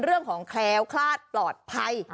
เรื่องของแคลวคลาดปลอดภัย